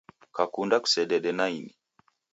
Kakunda kusedede naini